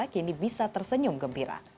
kini bisa tersenyum gembira